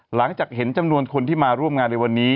หลังจากเห็นจำนวนคนที่มาร่วมงานในวันนี้